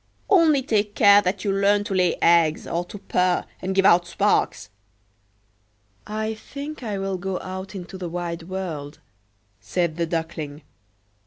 Only take care that you learn to lay eggs, or to purr, and give out sparks!""I think I will go out into the wide world," said the Duckling.